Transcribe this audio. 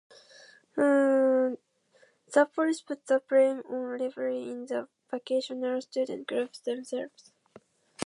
The police put the blame on rivalry in the vocational students group themselves.